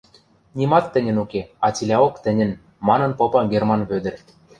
Нимат тӹньӹн уке, а цилӓок тӹньӹн, — манын попа Герман Вӧдӹр.